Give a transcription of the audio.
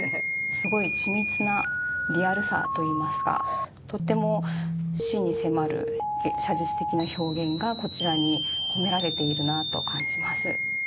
すごい緻密なリアルさといいますかとっても真に迫る写実的な表現がこちらに込められているなと感じます。